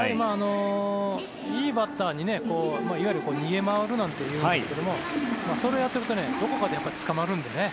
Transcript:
いいバッターに、いわゆる逃げ回るなんていうんですがそれをやっているとどこかでつかまるんでね